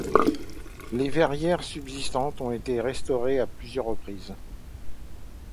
Les verrières subsistantes ont été restaurées à plusieurs reprises.